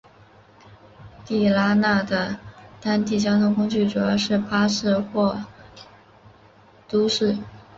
地拉那的当地交通工具主要是巴士或的士。